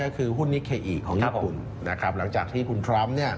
คือหุ้นนิเคอีของญี่ปุ่นหลังจากที่คุณทรัมป์